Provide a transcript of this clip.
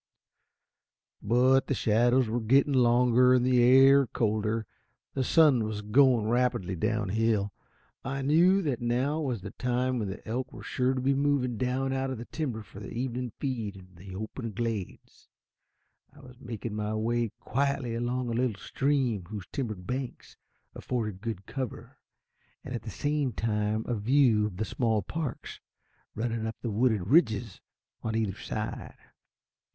But the shadows were getting longer and the air cooler; the sun was going rapidly down hill. I knew that now was the time when the elk were sure to be moving down out of the timber for their evening feed in the open glades. I was making my way quietly along a little stream, whose timbered banks afforded good cover, and at the same time a view of the small parks running up to the wooded ridges on either side.